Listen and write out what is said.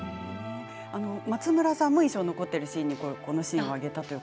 松村さんも印象に残っているシーンにこのシーンを挙げました。